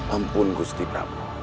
ampun gusti prabu